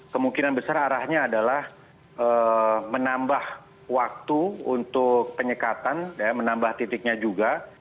kemungkinan besar arahnya adalah menambah waktu untuk penyekatan menambah titiknya juga